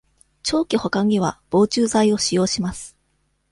長期保管には、防虫剤を使用します。